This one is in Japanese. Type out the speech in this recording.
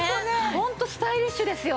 ホントスタイリッシュですよ。